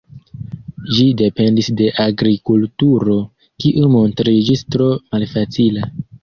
Ĝi dependis de agrikulturo, kiu montriĝis tro malfacila.